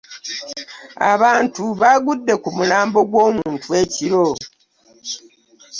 Abantu aggude ku mulambo gw'omuntu ekiro.